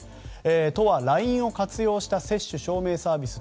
都はＬＩＮＥを活用した接種証明サービス